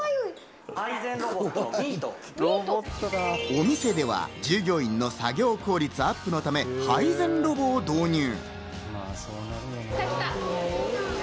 お店では従業員の作業効率アップのため配膳ロボを導入。